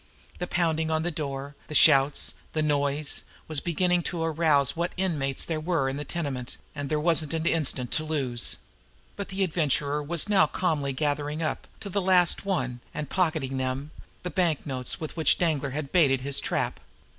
The pounding on the door, the shouts, the noise, was beginning to arouse what inmates there were in the tenement, and there wasn't an instant to lose but the Adventurer now was calmly gathering up, to the last one, and pocketing them, the banknotes with which Danglar had baited his trap.